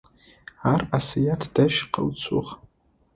Ар Асыет дэжь къэуцугъ.